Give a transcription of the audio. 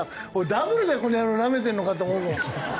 ダブルでこの野郎なめてんのか！って思うもん。